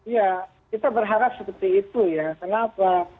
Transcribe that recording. ya kita berharap seperti itu ya kenapa